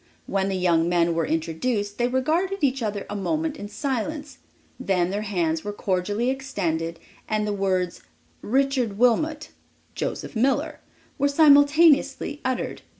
When the young men were introduced they regarded each other a moment in silence, then their hands were cordially extended, and the words, "Richard Wilmot," "Joseph Miller," were simultaneously uttered.